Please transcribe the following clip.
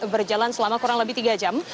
berjalan selama kurang lebih tiga jam